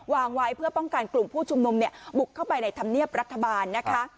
วางไว้เพื่อป้องกันกลุ่มผู้ชุมนุมเนี่ยบุกเข้าไปในธรรมเนียบรัฐบาลนะคะ